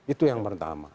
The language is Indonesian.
itu yang pertama